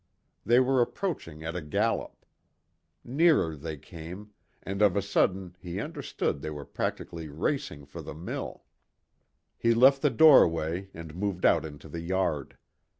They were approaching at a gallop. Nearer they came, and of a sudden he understood they were practically racing for the mill. He left the doorway and moved out into the yard.